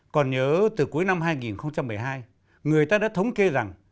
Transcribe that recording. còn nhớ từ cuối năm hai nghìn một mươi hai người ta đã thống kê rằng